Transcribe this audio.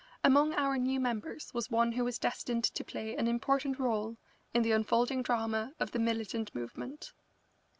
Among our new members was one who was destined to play an important rôle in the unfolding drama of the militant movement.